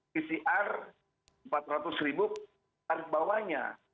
pcr empat ratus ribu tarif bawahnya